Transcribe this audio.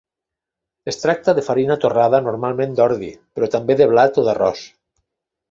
Es tracta de farina torrada, normalment d'ordi però també de blat o d'arròs.